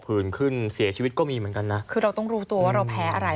ื่นขึ้นเสียชีวิตก็มีเหมือนกันนะคือเราต้องรู้ตัวว่าเราแพ้อะไร